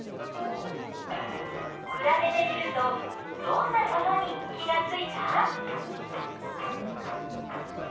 くらべてみるとどんなことに気がついた？